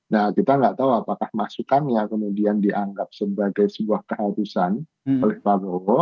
nah kita nggak tahu apakah masukannya kemudian dianggap sebagai sebuah keharusan oleh pak prabowo